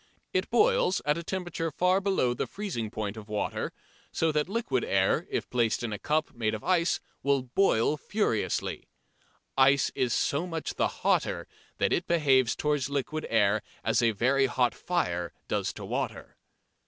It boils at a temperature far below the freezing point of water, so that liquid air if placed in a cup made of ice will boil furiously. Ice is so much the hotter that it behaves towards liquid air as a very hot fire does to water.